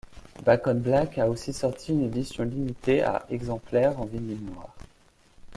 Back on Black a aussi sorti une édition limitée à exemplaires en vinyle noir.